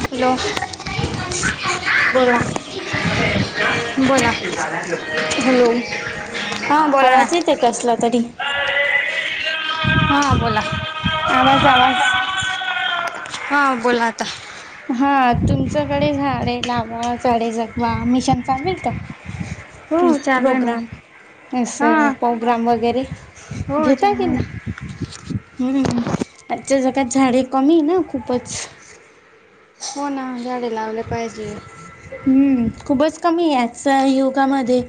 Hello बोला. Hello हां बोला ना आवाज येते कसला तरी हां बोला आवाज आवाज. हा बोला आता. हा तुमच्याकडे झाडे लावा झाडे जगवा मिशन चालेल का? हो ी चालू आहे ना प्रोग्राम अस हां प्रोग्राम वगैरे हो घेता चाल की ना. नाही हम्म आजच्या जगात झाडे कमी ना खूपच. हो ना गाडी लावल्या पाहिजे. हम्म खूपच कमी याच्या युगामध्ये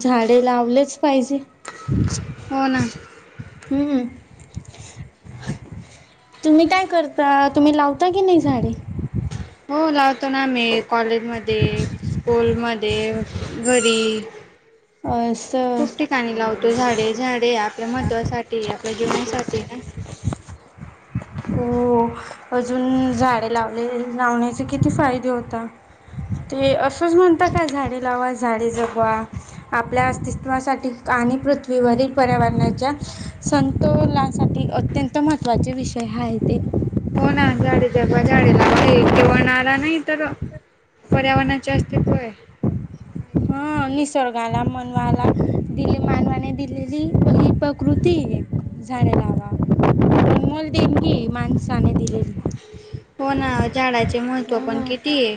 झाडे लावलेच पाहिजे. हो ना. [inaudible] तुम्ही काय करता तुम्ही लावता कि नाही साडी हो लावतो ना आम्ही कॉलेजमध्ये स्कूलमध्ये घरी असं खूप ठिकाणी लावतो झाडे झाडे आप आपल्या महत्त्वासाठी आपल्या जीवनासाठी ना. हो अजून झाडे लावले लावण्याचे किती फायदे होत. ते असंच म्हणत का झाडे लावा झाडे जगवा आपल्या अस्तित्वासाठी आणि पृथ्वीवरील पर्यावरणाच्या संतोलासाठी अत्यंत महत्त्वाचे विषय काय आहे ते. हो ना झाडे जगवा झाडे लावा हे केवळ नारा नाही तर पर्यावरणाचे अस्तित्व आहे. हा निसर्गाला मनवाला दिली म जनवाने दिलेलीी प्रकृती झाडे लावा अनमोल देणगी माणसाने दिलेली. हो ना झाडाचे महत्त्व नाही पण मग किती आहे.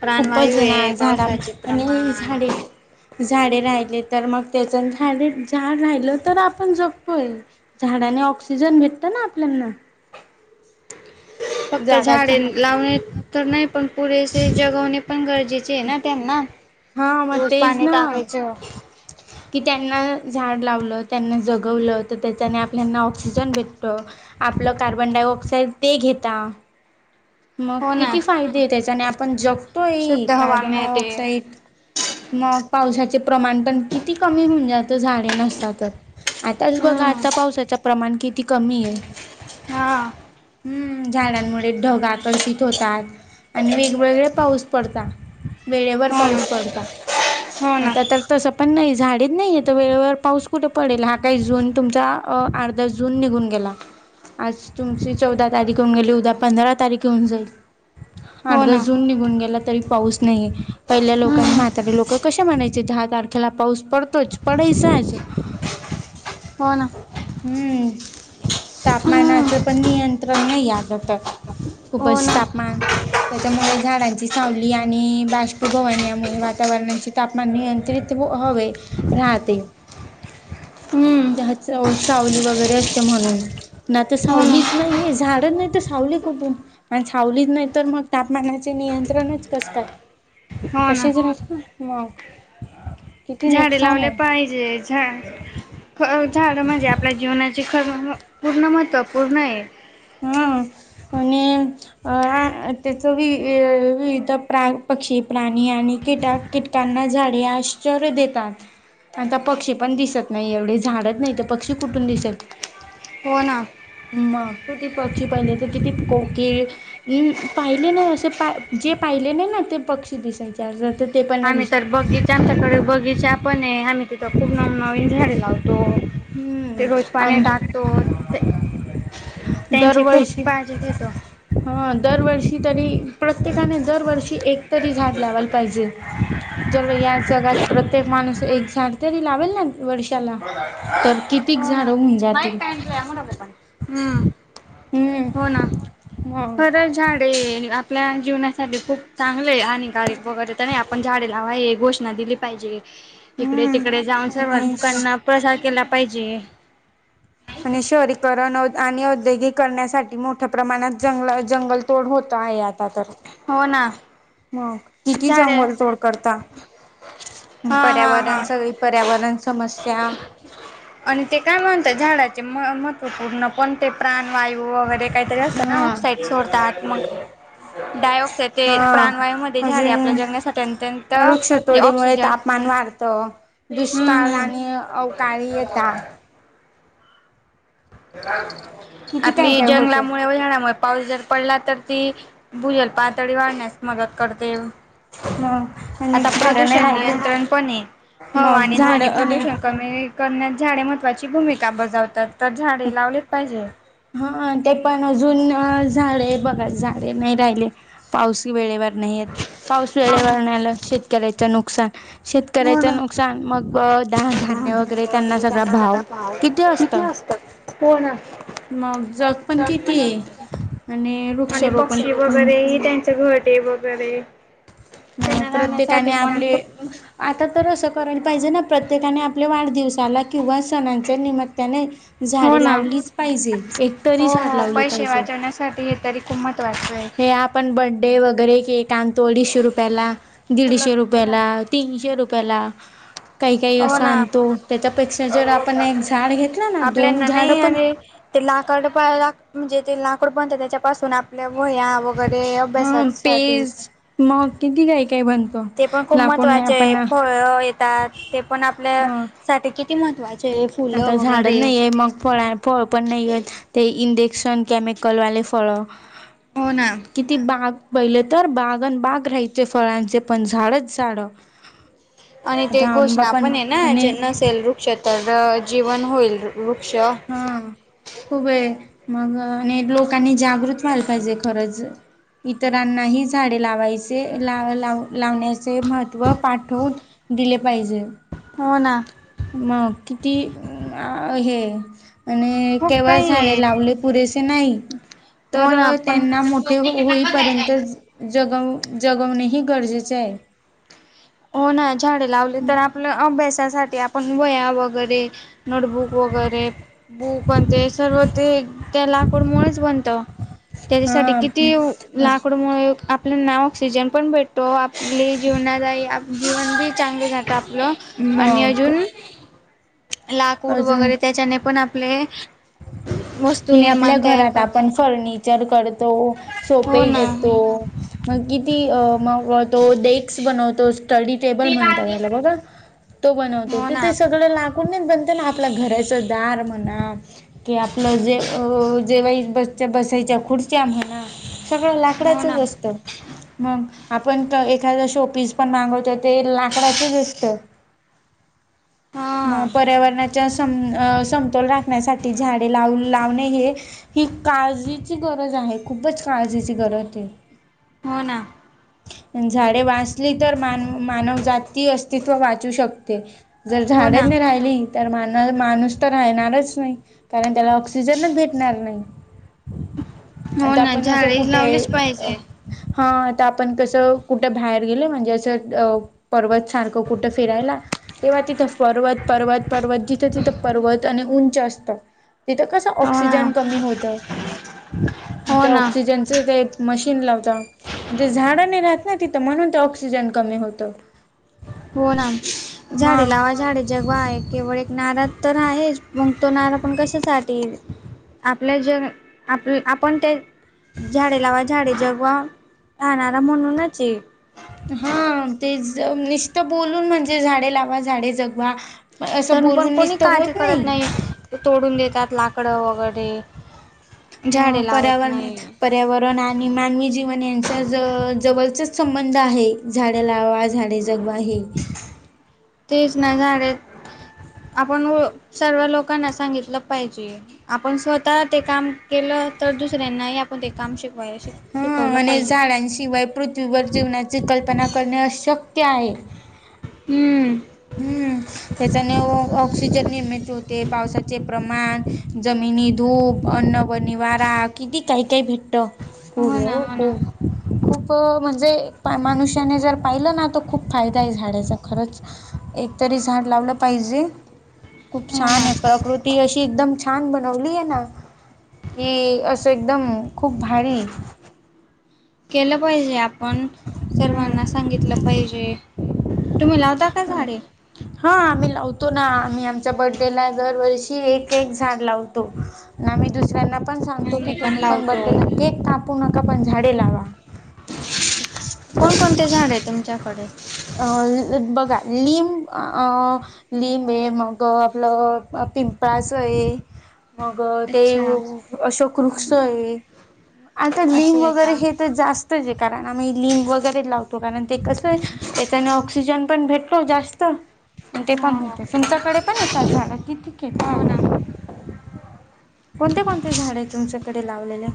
प्राणवायू खूपच ये ना आहे झाडा पावसाचे आणि प्रमाण झाडे झाडे राहिले तर मग त्याच झाडे झाड राहिलं तर आपण जपतो झाडा. आणि ओक्सिजन भेटतं ना आपल्या फक्त झाडे लावणे तर नाही पण पुरेसे जगवणे. पण गरजेचे आहे ना त्यांना हा मग रोज तेच पाणी ना टाकायचं. कि त्यांना झाड लावलं त्यांने जगवलं तर त्याच्याने आपल्यांना ऑक्सिजन भेटतं आपलं कार्बन डाय. इड ते घेता मग हो ना किती फायदे तेच आणि आपण जग तोय शुद्ध हवा कार्बन मिळते. डायआॅक्साइड म पावसाच्या चे प्रमाण पण किती कमी म्हणजे अत झाडे नसतातच आताच बगा हम्म आता पावसा प्रमाण किती कमीए हा. हम्म झाडांमुळे ढग आकर्षित होतात आणि वेगवेगळे पाऊस पडता. वेळेवर हो ना पाऊस पडता. हो ना आता तर तसं पण नइ झाडेत नइ इथ वेळेवर पाऊस कुटे पडेल हा काय जून तुमचा अ अरदा जून निगुन गेला आज तुमची चौदा तारिक होऊन गेली उद्या पंधरा तारिक ऊन जाईल हो ना अरदा जून निगुन गेला. तरी पऊस नइ पइल्या लोकांनी हम्म म्हातारी लोक कशे म्हणायचे दहा तारखेला पऊस पडतोच प चय आजुन. हो ना हम्म हम्म तापमानाच पण नियंत्र ण नइय यादरतात हो खूपच ना तापमान त्याच्यामुळे झाडांची सावली आणि बाष्पीभवनयामुळे वातावरणाचे तापमान नियंत्रण त्रित बु ह राहते. हम्म ज्याहच हो सावली वगैरे असते म्हणून नाय तर हो ना सावलीच नाइये झाड नाई तर सावली कुटुन सावलीच नाई तर मग तापमानाचे नियंत्रणच कस काय हो ना तशीच रात मग किती झाडे नुकसान लावले आहे पाईजे झा अ झाडे म्हणजे आपल्या जीवनाचे खरम पूर्ण महत्त्व पूर्णए. हां आणि अ आय तेच बी वेअ विवित प्राण, पक्षी, प्राणी आणि किटाक, किटकांना झाडे आश्रय देतात. आता पक्षी पण दिसत नाई एवढे झाडच नइ तर पक्षी कुटुन दिसलं? होना मग किती पक्षी पाहिले तर किती प कोकीळ, हम पाहिले नाई अशे पाय जे पाईले नइ ना ते पक्षी दिसायचे. आता तर ते पण नाही आम्ही तर दिसाय बगीचा आमच्याकडे बगीचा पणए आमी तित खूप नवनवीन झाडे लावतो. हम्म ते रोज पाणी आम टाकतो. ते त्यांची खूप दरवर्षी काळजी घेतो. हा दरवर्षी तरी प्रत्येकाने दरवर्षी एक तरी झाड लावायला पाईजे जर या जगात प्रत्येक माणूस एक झाड तरी लावेल ना न वर्षाला तर कितीक हो झाड ना हुन माईक जातील. काढलाय मोठा पप्पाने हम्म हो हम्म ना मग खरंच झाडे आपल्या जीवनासाठी खूप चांगलेए हानीकारक वगैरे त नइ आपण झाडे लावा हेए घोषणा दिली पाईजे इकडे तिकडे जाऊन सर्वच आणि लोकांना प्रसार केला पाईजे. आणि शहरीकरन अ आणि औद्योगिक करण्यासाठी मोठ्या प्रमाणात जंगला जंगल तोड होत आये आता तर हो ना मग किती झाडे जंगल तोड करता हा हा पर्यावरण हा सगळी पर्यावरण समस्या आणि ते काय म्हणत झाडाचे मह महत्त्वपूर्ण कोणते प्राण वायू वगैरे काईतरी असतं ना हा ऑक्साईट सोडत आत मग डाय ऑक्साइड ते हा प्राणवायूमध्ये झाडे आपल्या अजून जगण्यासाठी अत्यंत ते ऑक्सिजन वाढत हम्म दुष्काळ हम्म आणि अवकाळी येता किती काय आपली काय होतं जंगलामुळे [unintelligible] पाऊस जर पडला तर ती भुजल पातळी वाढण्यास मदत करते. हा आता प्रदूषण नियंत्रणपणे हवा मग आणि झाड ध्वनी आणि प्रदूषण कमी करण्यात- झाडे महत्वाची भूमिका बजावतात. तर झाडे लावलेच पाहिजे. हा, ते पण अजून झाडे बघा झाडे नाही राहिले पाऊस वेळेवर- नाही येत. पाऊस वेळेवर नाही आला शेतकऱ्याचे नुक- हो शेतकऱ्याच ना नुकसान. मग धान्य वगैरे त्यांना सगळा भाव किती असत. असतात कोण? मग. जग पण कितीयं आणि- आणि वृक्षारोपण पक्षी वगैरे त्यांचे घरटे वगैरे- म त्यांना प्रत्येकाने राहण्यासाठी पण आपले खूप आता तर अस- करायला पाहिजे ना. प्रत्येकाने आपल्या वाढदिवसाला किंवा सणांच्या निमित्ताने- हो झाडे ना लावलीच पाहिजे. एक तरी हो झाड हो लावले पैसे पाहिजे. वाचवण्यासाठी हे तरी खूप महत्वाचं आहे. हे, आपण बड्डे वगैरे केक- आनतो अडीचशे रुपयाला, हो दीडशे रुपयाला, तीनशे रुपयाला काही काही असं ना आणतो. त्याच्यापेक्षा जर आपण एक झाड घेतलं ना दोन आपल्याना झाड नाही पण आणि लाकड प-ला म्हणजे ते लाकड बन त्याच्यापासून आपल्या- वह्या वगैरे हा अभ्यासासाठी. पेज मग किती काही काही बनतो ते पण खूप लाकूडने महत्त्वाचे आहे. आपण फळ येतात. ते पण आपल्या मग साठी किती महत्वाचे. आता झाडच नाहीये. मग फळ -फळ पण नाहीये. ते इे- इंजेकशन केमिकल वाले फळ. हो ना किती बाग- पहिले तर बागण बाग राहायचे. फळांचे पण झाडच झाड. आणि ते घोषणा पण आहे ना.. जे नसेल वृक्ष तर जीवन होईल रुक्ष. हा खूप आहे. मग अ-आणि लोकांनी जागृत व्हायला पाहिजे खरंच. इतरांनाही झाडे लावायचे. लावा-लावयाला लावण्याचे- महत्त्व पाठवून दिले पाहिजे. हो ना मग.. किती अ-हे.. आणि खूप केवळ काही झाडे आहे लावले पुरेसे नाही. हो तर ना आपण त्यांना मोठे होईपर्यंत. जगवज जगव-जगवणेही गरजेचे आहे. हो ना... झाडे लावली तर मग आपल्या अभ्यासासाठी- ते आपण वया वगैरे... नोटबुक वगैरे... बुकण ते सर्व ते. त्या लाकूड मूळचं बनत त्याच्यासाठी हा किती लाकूड मु- आपल्याना ऑक्सिजन पण भेटतो. आपली जीवनादाई आपली जीवन बी चांगले जातं. आप- आपलं आणि मग अजून लाकूड अजून वगैरे त्याच्याने पण आपले- [inaudible] वस्तू हे आपल्या निर्माण तयार घरात करतात. आपण फर्निचर करतो. सोपे हो ना, घेतो. किती डेस्क बनवतो. स्टडी टेबल म्हणतात. याला बघा. तो बनवत हो ना, होतेते. सगळं लाकुडनच बनते ना. आपल्या घराचं दार म्हणा. कि आपलं जे अ-जेव्हाईला बस-बसायच्या खुर्च्या म्हणा. सगळं हो लाकडाचच ना, असत. मग. आपण एखादा शो पीस पण मागवतो ते लाकडाचच असत हा मगं पर्यावरणाच्या स-समतोल राखण्यासाठी. झाडे लाव लावणे, हे ही काळजीची गरज आहे. खूपच काळजीची गरज आहे. ह [inaudible] हो ना.. झाडे वाचली तर.. मानव-मानवजाती अस्तित्व वाचू शकत. ते जर हो झाड ना, नाही राहिली तर.. मान-माणूस तर राहणारच नाही. कारण त्याला ऑक्सिजनच भेटणार नाही. हो आता ना, आपण असं झाडे कुठे लावलेच अ..? पाहिजे. हा आता आपण कसं कुठं बाहेर गेले म्हणजे असं पर्वत सारखं कुठं फिरायला. तेव्हा तिथं पर्वत पर्वत पर्वत जिथे तिथे पर्वत आणि उंच असत तिथं कसं हो ना, ऑक्सिजन कमी होत हो त्या ना, ऑक्सिजनच मशी लाव झाड नाही राहत ना तिथ म्हणून ऑक्सिजन कमी होत हो नाम झाडे लावा झाडे जगव आहे केवळ एक नारज तर आहेच मगतो ना पण कशासाठी आपलं जग आपलं आपण ते झाडे लावा झाडे जगवा राहणारा म्हणूनच ये हा ते निश्त बोलून म्हणजे झाडे लावा झाडे जगवा असं तर पण बोलून कोणी निसत काळजी होत करत नाही तोडून देतात लाकडं वगैरे झाडे मग लावत नाही. पर्यावरण आणि मानवी जीवन यांचा ज संबंध आहे झाडे लावा झाडे जगवा हे तेच नाही झाले आपण सर्व लोकांना सांगितलं पाहिजे आपण स्वतः ते काम के तर दुसऱ्यांनाही आपणम श ह आणि झाडांशिवाय पृथ्वीवर जेवनाची कल्पना करणे अशक्य काय हम हम्म त्याच्याने ऑक्सिजन निर्मित होते पावसाचे प्रमाण म जमिनी धूप अन्न बनिवारा किती काही काही भेटतं. होर हो हो हो म्हणजे मनुष्याने जर पाहिलं ना तर खूप फायदा आय झाडाचा खरंच. एकतरी झाड लावलं पाहिजे. खूप हो छान हे ना प्रकृती अशी एकदम छान बनवली ए ना, की असं एकदम खूप भारी. केलं पाहिजे आपण, हम्म. सर्वांना सांगितलं पाहिजे. तुम्ही लावता का झाडे? हां आम्ही लावतो ना. आम्ही आमच्या बर्थडेला दरवर्षी एक एक झाड लावतो. न आम्ही दुसऱ्यांना पण सांगतो की आम्ही तुम्ही पण लावतो. बड्डे ला केक काापू नका पण झाडे लावा कोणकोणते झाड हे तुमच्याकडे? अं बघा लिंब अ लिंब हे मग आपलं पिंपळाचं ए, मग ते अच्छा. अशोक वृक्ष हम्म ए. आता असं लिंब आहे वगैरे का? हे त जास्तचे कारण आम्ही लिंब वगैरे लाव तो कारण ते कसं आहे त्याच्याने ऑक्सिजन पण भेटतो जास्त. ते पण हो होते त्यांमच्याकडे पण येतात झाडं हो ना. [unintelligible] कोणते कोणते झाडे आहे तुमच्याकडे लावलेले?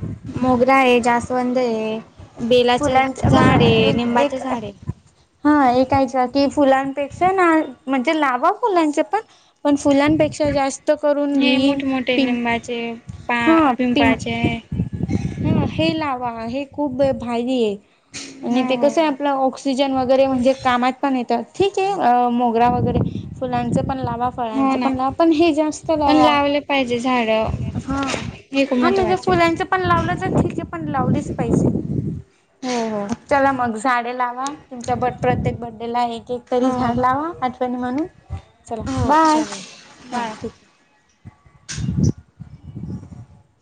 मोगरा आहे जास्वंद ए. बेलाचं फुलांचे झाड ए लिंबाचं झाड ए. हां एकाएच्या ती फुलांपेक्षा ना म्हणजे लावा फुलांचे पण. पण फुलांपे क्षा जास्त करून हे लिंम मोठमोठे पिं लिंबाचे पा हा पिं पिंपळाचे हां हे लावा हे खूप भारी ए. आणि हो ते हो कसं आपलं ऑक्सिजन वगैरे म्हणजे कामात पण येतात. ठीके अ मोगरा वगैरे फुलांचं पण लावा, हो फळांच ना पण ला, पण हे जास्त पण लावा. लावले पाहिजे झाडं हां, हे खूप हां म्हणजे महत्त्वाचे फुलांचं पण लावलंचं ठीके पण लावलीच पैसे, हो हो चला मग झाडे लावा तुमच्या पत्यतेक बड्डे ला एक. एक तरी हो झाड लावा आठवणी म्हणून. चला हो हो बाय चालेल हां बाय ठीक ए. [inaudible]